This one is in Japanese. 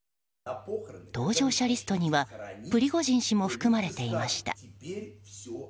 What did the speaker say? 搭乗者リストにはプリゴジン氏も含まれていました。